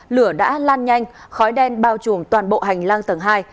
lửa đã lan nhanh khói đen bao trùm toàn bộ hành lang tầng hai